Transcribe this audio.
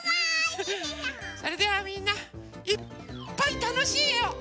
それではみんないっぱいたのしいえを。